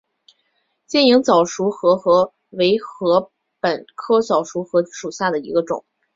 尖颖早熟禾为禾本科早熟禾属下的一个种。